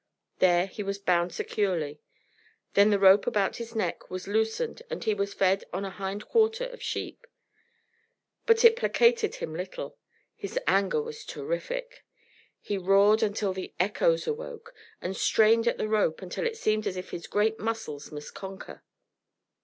There he was bound securely; then the rope about his neck was loosened and he was fed on a hind quarter of sheep. But it placated him little. His anger was terrific. He roared until the echoes awoke, and strained at the rope until it seemed as if his great muscles must conquer.